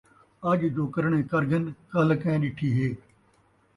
اڄ جو کرݨے کر گھن، کلھ کیئیں ݙٹھی ہے